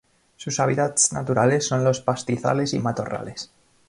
Sus hábitats naturales son los pastizales y matorrales.